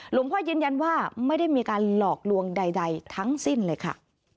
หลวงพ่อยืนยันว่าไม่ได้มีการหลอกลวงใดทั้งสิ้นเลยค่ะ